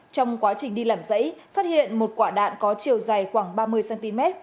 trong quá trình đi làm giấy phát hiện một quả đạn có chiều dày khoảng ba mươi cm